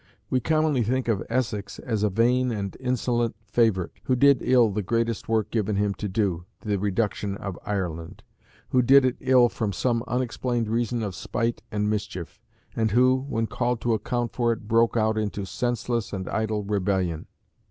We commonly think of Essex as a vain and insolent favourite, who did ill the greatest work given him to do the reduction of Ireland; who did it ill from some unexplained reason of spite and mischief; and who, when called to account for it, broke out into senseless and idle rebellion.